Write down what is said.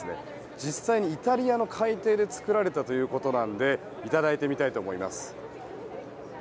実際にイタリアの海底で作られたということなのでいただいてみたいと思います。